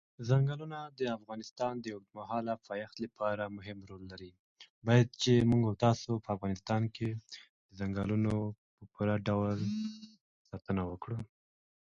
چنګلونه د افغانستان د اوږدمهاله پایښت لپاره مهم رول لري.